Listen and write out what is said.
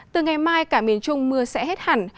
từ ngày mai cả miền trung mưa sẽ hết hẳn